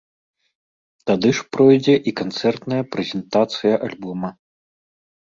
Тады ж пройдзе і канцэртная прэзентацыя альбома.